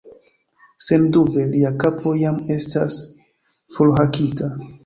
Sendube, lia kapo jam estas forhakita.